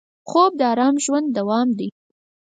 خوب د ارام ژوند دوام دی